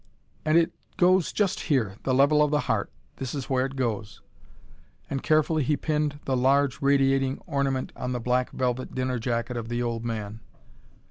"And it goes just here the level of the heart. This is where it goes." And carefully he pinned the large, radiating ornament on the black velvet dinner jacket of the old man.